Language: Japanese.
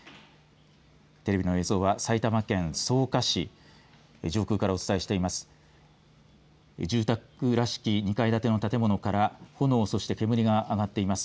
テレビの映像は埼玉県草加市上空からお伝えしています。